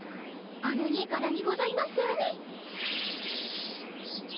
あの家からにございますね。